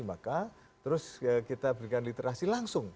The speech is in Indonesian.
maka terus kita berikan literasi langsung